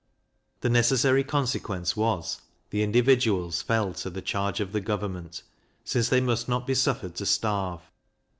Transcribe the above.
The necessary consequence was, the individuals fell to the charge of the government, since they must not be suffered to starve.